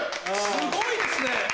すごいですね。